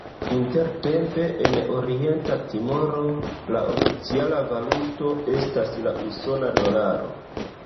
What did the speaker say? Intertempe en Orienta Timoro la oficiala valuto estas la usona dolaro.